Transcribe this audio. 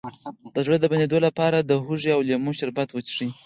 د زړه د بندیدو لپاره د هوږې او لیمو شربت وڅښئ